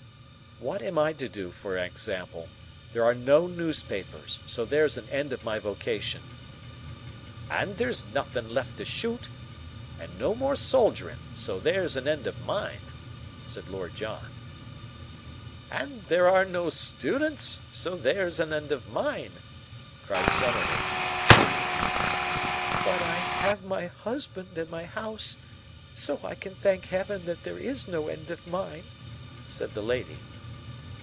"What am I to do, for example? There are no newspapers, so there's an end of my vocation." "And there's nothin' left to shoot, and no more soldierin', so there's an end of mine," said Lord John. "And there are no students, so there's an end of mine," cried Summerlee. "But I have my husband and my house, so I can thank heaven that there is no end of mine," said the lady.